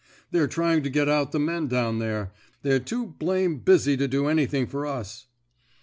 They're trying to get out the men down there. They're too blame busy to do anything for us."